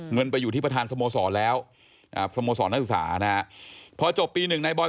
เงินไปอยู่ที่ประธานสโมสรแล้วสโมสรนักศึกษานะฮะพอจบปีหนึ่งนายบอย